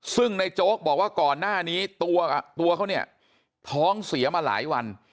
ซึ่งในโจ๊กบอกว่าก่อนหน้านี้ตัวเขาเนี่ยท้องเสียมาหลายวัน